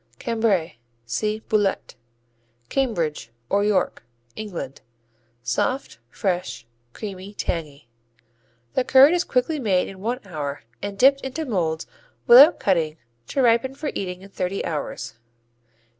Cambrai see Boulette. Cambridge, or York England Soft; fresh; creamy; tangy. The curd is quickly made in one hour and dipped into molds without cutting to ripen for eating in thirty hours.